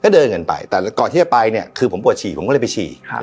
ก็เดินกันไปแต่ก่อนที่จะไปเนี่ยคือผมปวดฉี่ผมก็เลยไปฉี่